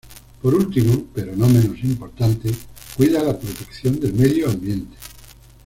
Por último, pero no menos importante, cuida la protección del medio ambiente.